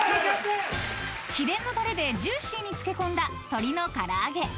［秘伝のたれでジューシーに漬け込んだ鶏の唐揚］